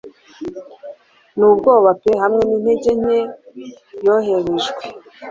n'ubwoba pe hamwe n'intege nke yoherejwe